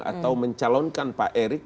atau mencalonkan pak erik